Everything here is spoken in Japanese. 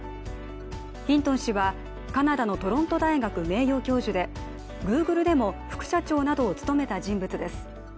ヒントン氏はカナダのトロント大学名誉教授でＧｏｏｇｌｅでも副社長などを務めた人物です。